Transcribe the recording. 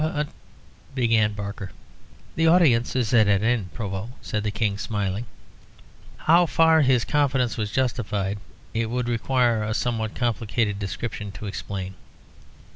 "But " began Barker. "The audience is at an end, Provost," said the King, smiling. How far his confidence was justified, it would require a somewhat complicated description to explain.